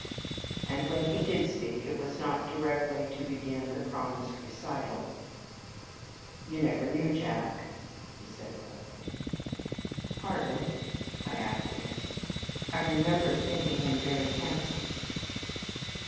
And when he did speak it was not directly to begin the promised recital. "You never knew Jack," he said, abruptly. "Hardly," I acquiesced. "I remember thinking him very handsome."